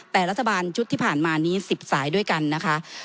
แต่รัฐบาลชุดที่ผ่านมานี้๑๐สายด้วยกันนะคะ